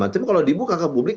tapi kalau dibuka ke publik